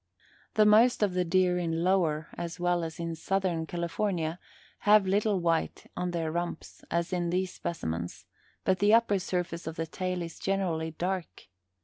The most of the deer in Lower, as well as in Southern, California have little white on their rumps, as in these specimens, but the upper surface of the tail is generally dark.